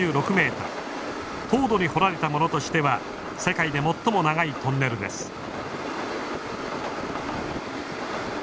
凍土に掘られたものとしては世界で最も長いトンネルです。